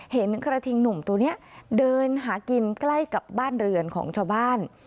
เห็นกระทิงหนุ่มตัวนี้เดินหากินใกล้กับบ้านเรือนของชาวบ้าน